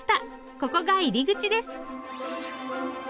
ここが入り口です。